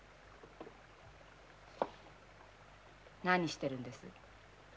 何してるんです？